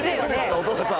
お父さんを。